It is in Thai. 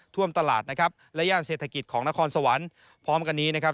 ท่วมตลาดนะครับและย่านเศรษฐกิจของนครสวรรค์พร้อมกันนี้นะครับ